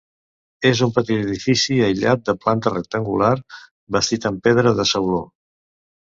És un petit edifici aïllat de planta rectangular bastit amb pedra de sauló.